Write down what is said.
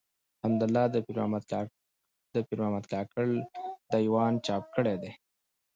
حمدالله د پيرمحمد کاکړ د ېوان چاپ کړی دﺉ.